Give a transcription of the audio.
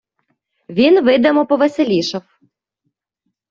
Він видимо повеселішав.